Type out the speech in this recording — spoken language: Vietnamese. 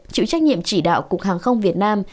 chịu trách nhiệm chỉ đạo cục hàng không việt nam